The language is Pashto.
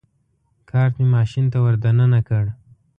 کارټ مې ماشین ته ور دننه کړ.